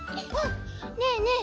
ねえねえ